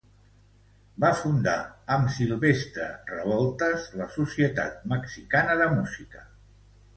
Va fundar amb Silvestre Revueltas la Societat Mexicana de Música.